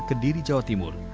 kediri jawa timur